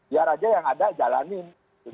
ya raja yang ada jalanin